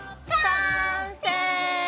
完成！